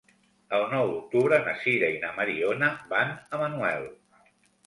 El nou d'octubre na Sira i na Mariona van a Manuel.